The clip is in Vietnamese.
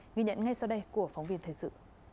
nghi nhận ngay sau đây của phóng viên thời sự